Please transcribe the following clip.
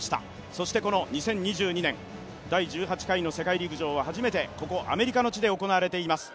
そしてこの２０２２年、第１８回の世界陸上はここアメリカの地で行われています。